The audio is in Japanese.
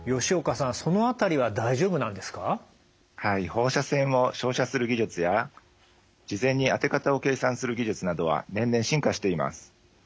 放射線を照射する技術や事前に当て方を計算する技術などは年々進化しています。